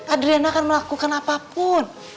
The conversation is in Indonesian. adriana akan melakukan apapun